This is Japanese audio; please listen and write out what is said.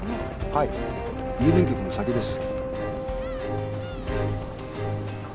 はい郵便局の先です。